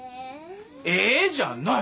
えじゃない。